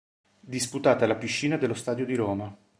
Disputate alla piscina dello Stadio di Roma.